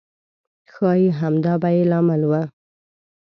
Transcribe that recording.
ښایي همدا به یې لامل و.